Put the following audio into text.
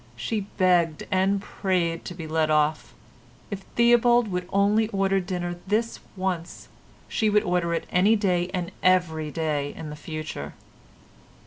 She begged and prayed to be let off. If Theobald would only order dinner this once, she would order it any day and every day in future.